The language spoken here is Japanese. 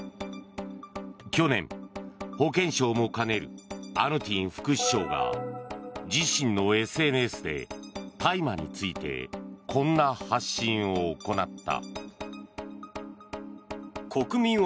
去年、保健相も兼ねるアヌティン副首相が自身のＳＮＳで大麻についてこんな発信を行った。